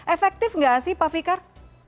efektif nggak sih pak fikar